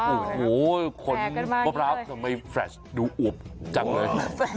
โอ้โหขนมะพร้าวทำไมแฟลชดูอวบจังเลย